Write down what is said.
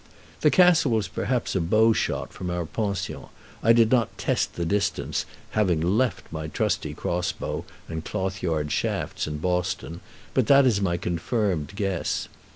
The castle was perhaps a bow shot from our pension: I did not test the distance, having left my trusty cross bow and cloth yard shafts in Boston; but that is my confirmed guess.